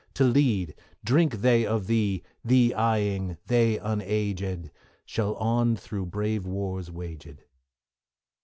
to lead, Drink they of thee, thee eyeing, they unaged Shall on through brave wars waged.